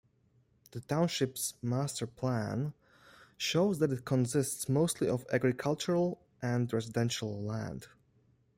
The township's master plan shows that it consists mostly of agricultural and residential land.